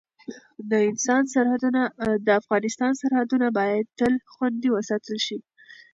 د افغانستان سرحدونه باید تل خوندي وساتل شي.